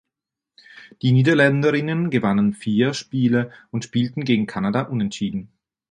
Die Niederländerinnen gewannen vier Spiele und spielten gegen Kanada unentschieden.